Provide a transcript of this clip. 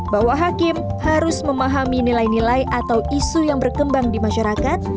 bahwa hakim dan hakim konstitusi harus mengikuti dan memahami nilai nilai hukum dan rasa keadilan yang hidup dalam masyarakat